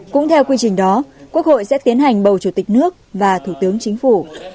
cũng theo quy trình đó quốc hội sẽ tiến hành bầu chủ tịch nước và thủ tướng chính phủ